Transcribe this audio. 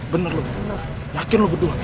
bener lo yakin lo berdua